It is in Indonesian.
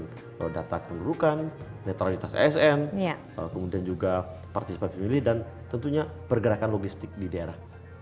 kemudian data kependudukan netralitas asn kemudian juga partisipasi pemilih dan tentunya pergerakan logistik di daerah